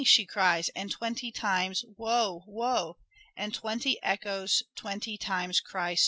' she cries, and twenty times ' Woe, woe I ' And twenty echoes twenty times cry so.